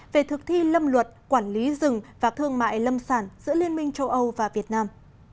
về thực thi lâm luật quản lý rừng và thương mại lâm sản giữa liên minh châu âu và việt nam